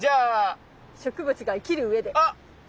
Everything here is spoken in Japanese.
植物が生きるうえで。